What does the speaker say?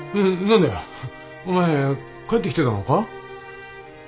何だよお前帰ってきてたのか？